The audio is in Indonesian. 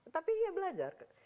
tapi ya belajar